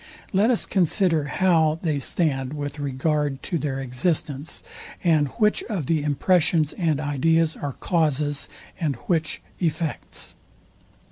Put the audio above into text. Let us consider how they stand with regard to their existence, and which of the impressions and ideas are causes, and which effects.